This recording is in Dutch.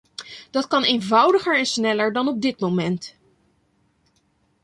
Dat kan eenvoudiger en sneller dan op dit moment.